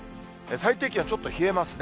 最低気温、ちょっと冷えますね。